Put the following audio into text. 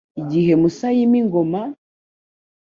Igihe Musa yima ingoma,